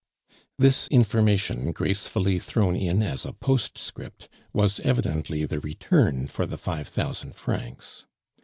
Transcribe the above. This information, gracefully thrown in as a postscript, was evidently the return for the five thousand francs.